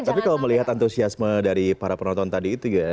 tapi kalau melihat antusiasme dari para penonton tadi itu ya